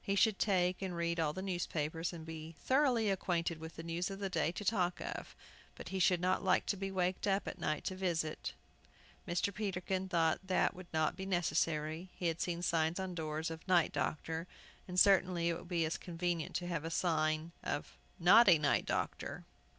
He should take and read all the newspapers, and so be thoroughly acquainted with the news of the day to talk of. But he should not like to be waked up at night to visit. Mr. Peterkin thought that would not be necessary. He had seen signs on doors of "Night Doctor," and certainly it would be as convenient to have a sign of "Not a Night Doctor."